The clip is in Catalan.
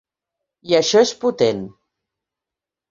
I això és potent.